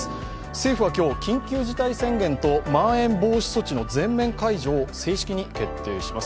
政府は今日、緊急事態宣言とまん延防止措置の全面解除を正式に決定します。